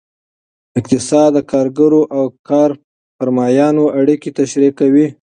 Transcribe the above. اقتصاد د کارګرو او کارفرمایانو اړیکې تشریح کوي.